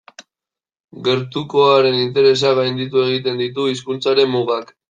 Gertukoaren interesak gainditu egiten ditu hizkuntzaren mugak.